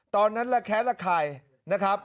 ตอนนั้นแค้นละใคร